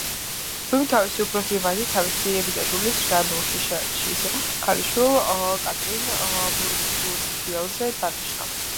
ლუიმ თავისი უფროსი ვაჟი თავისი ბიძაშვილის, ჟან უშიშის ქალიშვილ კატრინ ბურგუნდიელზე დანიშნა.